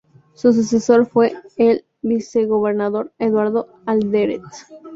Su sucesor fue el vicegobernador Eduardo Alderete.